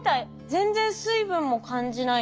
全然水分も感じないし。